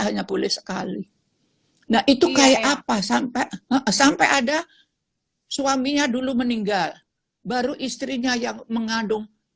hanya boleh sekali nah itu kayak apa sampai ada suaminya dulu meninggal baru istrinya yang mengandung